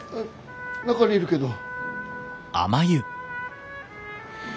中にいるけど。